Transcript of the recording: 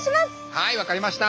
はい分かりました！